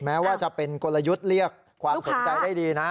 แม้ว่าจะเป็นกลยุทธ์เรียกความสนใจได้ดีนะ